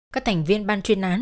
các thành viên ban chuyên án